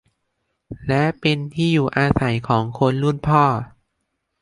และเป็นที่อยู่อาศัยของคนรุ่นพ่อ